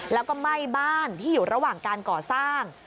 แล้วก็ไหม้บ้านที่อยู่ระหว่างการก่อสร้าง